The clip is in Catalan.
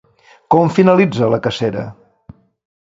Com finalitza la cacera?